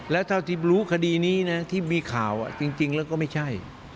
แล้วที่รู้การบินคดีนี้เนี่ยที่มีข่าวจริงแล้วก็ไม่ใช่